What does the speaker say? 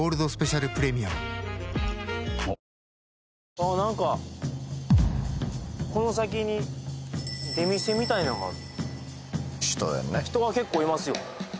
あっなんかこの先に出店みたいなんがある人が結構いますよ